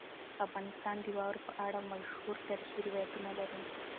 افغانستان د واوره په اړه مشهور تاریخی روایتونه لري.